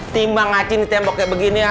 timbang ngacin di tembok kayak begini